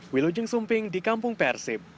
wilujeng sumping di kampung persib